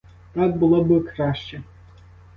Так було б краще.